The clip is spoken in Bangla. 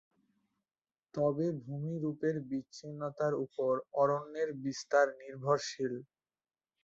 তবে ভূমিরূপের বিচ্ছিন্নতার উপর অরণ্যের বিস্তার নির্ভরশীল।